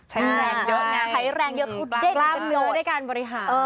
ใช้แรงเยอะไงใช้แรงเยอะเขาเด็กลาบเนื้อได้การบริหาร